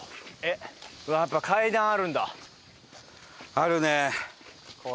あるね。